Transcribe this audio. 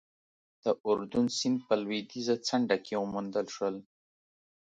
د اردون سیند په لوېدیځه څنډه کې وموندل شول.